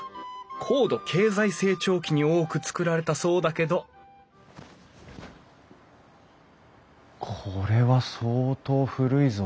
高度経済成長期に多く造られたそうだけどこれは相当古いぞ。